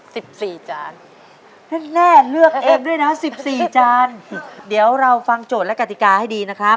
สิบสี่จานแน่เลือกเองด้วยนะสิบสี่จานเดี๋ยวเราฟังโจทย์และกติกาให้ดีนะครับ